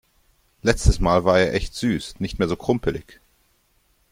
Letztes Mal war er echt süß. Nicht mehr so krumpelig.